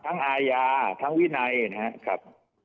อาญาทั้งวินัยนะครับ